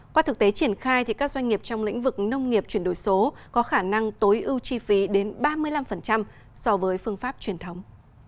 qua thực tế triển khai các doanh nghiệp trong lĩnh vực nông nghiệp chuyển đổi số có khả năng tối ưu chi phí đến ba mươi năm so với phương pháp truyền thống